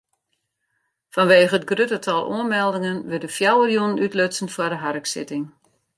Fanwegen it grutte tal oanmeldingen wurde fjouwer jûnen útlutsen foar de harksitting.